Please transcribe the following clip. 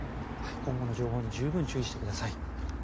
今後の情報に十分注意してください。